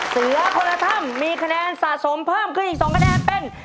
เสือคนละถ้ำมีคะแนนสะสมเพิ่มขึ้นอีก๒คะแนนเป็น